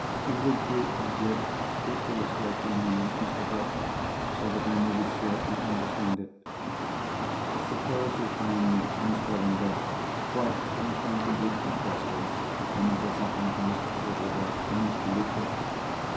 "Would you object to illustrate your meaning, Mr. Bruff, so that I may be sure I understand it? Suppose you found Miss Verinder quite unaccountably interested in what has happened to Mr. Ablewhite and Mr. Luker?